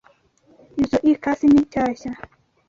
Izoi kasi ni shyashya.